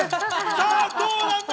さぁどうなんだ？